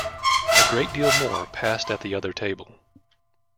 A great deal more passed at the other table.